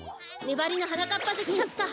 ねばりのはなかっぱぜきかつか？